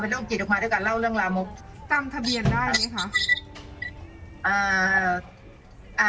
เป็นโรคจีดออกมาด้วยกับเล่าเรื่องลามุกตามทะเบียนได้ไหมคะ